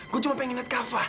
gue cuma pengen lihat kava